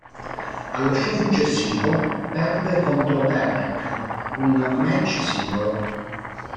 Allo show successivo, perde contro Derek un match singolo.